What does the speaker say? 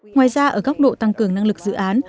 ngoài ra ở góc độ tăng cường năng lực dự án